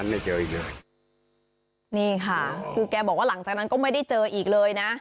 นี่ค่ะลุงแกบอกว่าหลังจากนั้นก็ไม่ได้เจออีกเลยนะ